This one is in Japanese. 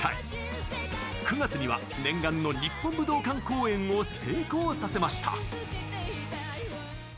９月には念願の日本武道館公演を成功させました。